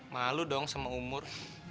malu dong sama umur